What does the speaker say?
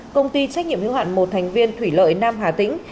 công ty trách nhiệm hữu hạn một thành viên thủy lợi nam hà tĩnh